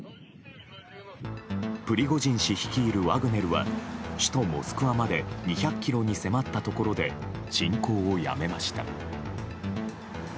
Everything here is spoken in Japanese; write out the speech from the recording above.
プリゴジン氏率いるワグネルは首都モスクワまで２００ｋｍに迫ったところで進行をやめました。